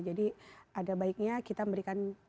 jadi ada baiknya kita memberikan